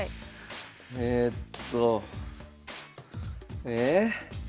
えっと。え？